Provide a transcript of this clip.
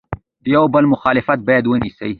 د یو بل مخالفت باید ونسي.